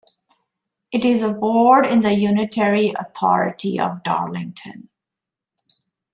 It is a ward in the unitary authority of Darlington.